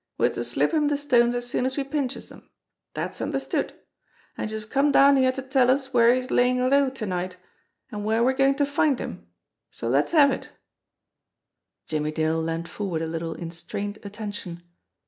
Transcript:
We're to slip him de stones as soon as we pinches 'em. Dat's understood. An' youse have come down here to tell us where he's layin' low to night, an' where we're goin' to find him ; so let's have it." Jimmie Dale leaned forward a little in strained attention.